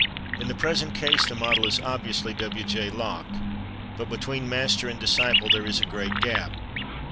In the present case the model is obviously W. J. Locke. But between master and disciple there is a great gap.